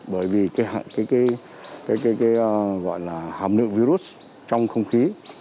bởi vì cái hàm lượng virus trong không khí